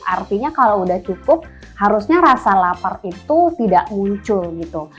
artinya kalau udah cukup harusnya rasa lapar itu tidak muncul gitu